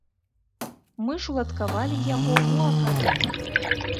Мы ж уладкавалі яго ў акадэмію.